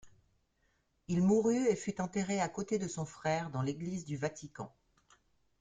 Il mourut et fut enterré à côté de son frère dans l'église du Vatican.